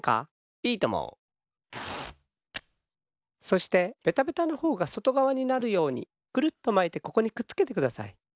そしてベタベタのほうがそとがわになるようにくるっとまいてここにくっつけてください。